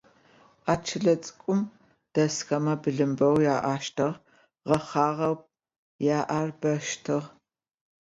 А чылэ цӏыкӏум дэсхэмэ былым бэу ахъущтыгъ, гъэхъагъэу яӏэр бэщтыгъ.